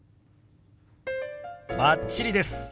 バッチリです。